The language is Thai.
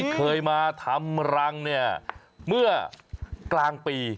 เคยมาทำรังเมื่อกลางปี๒๕๖๒